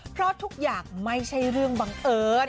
เพราะทุกอย่างไม่ใช่เรื่องบังเอิญ